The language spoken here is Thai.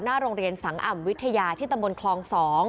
โรงเรียนสังอ่ำวิทยาที่ตำบลคลอง๒